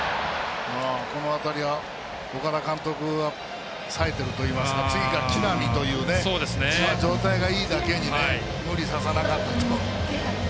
この辺りは岡田監督がさえているといいますか次が木浪という状態がいいだけに無理させなかったという。